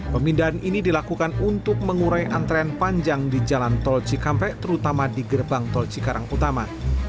pemindahan ini dilakukan untuk mengurai antrean panjang di jalan tol cikampek terutama di gerbang tol cikarang utama